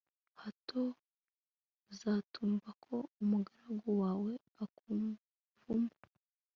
hato utazumva ko umugaragu wawe akuvuma